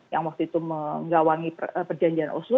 yang waktu itu menggawangi perjanjian oslo